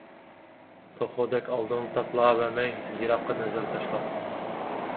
توخۇدەك ئالدىڭنى تاتىلاۋەرمەي، يىراققا نەزەر تاشلا!